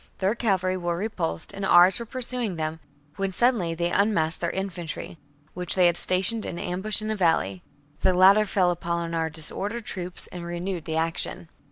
Their cavalry were repulsed and ours were pursuing them, when suddenly they un masked their infantry, which they had stationed in ambush in a valley. The latter fell upon our disordered troops and renewed the action.